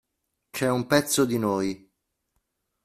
C'è un pezzo di noi.